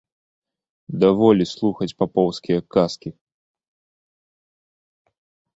Даволі слухаць папоўскія казкі.